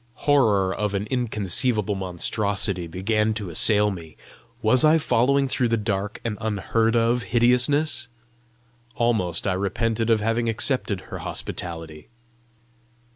Horror of an inconceivable monstrosity began to assail me: was I following through the dark an unheard of hideousness? Almost I repented of having accepted her hospitality.